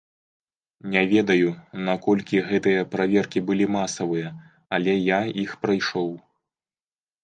Не ведаю, наколькі гэтыя праверкі былі масавыя, але я іх прайшоў.